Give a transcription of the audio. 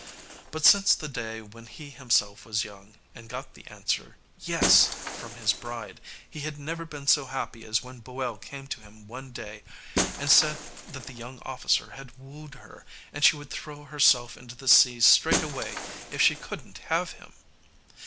But since the day when he himself was young, and got the answer, "Yes!" from his bride, he had never been so happy as when Boel came to him one day and said that the young officer had wooed her, and she would throw herself into the sea straightway if she couldn't have him.